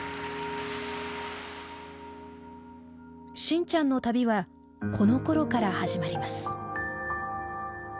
信ちゃんの旅はこのころから始まります。